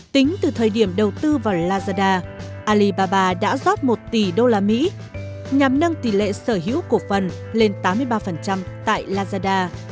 tính từ thời điểm đầu tư vào lazada alibaba đã rót một tỷ usd nhằm nâng tỷ lệ sở hữu cổ phần lên tám mươi ba tại lazada